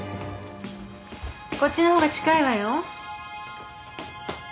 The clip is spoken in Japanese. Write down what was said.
こっちの方が近いわよ。